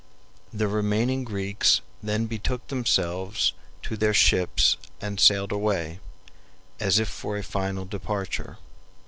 The remaining Greeks then betook themselves to their ships and sailed away, as if for a final departure.